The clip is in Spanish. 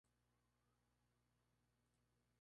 Habita en Punjab y Uttar Pradesh en la India.